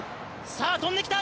跳んできた！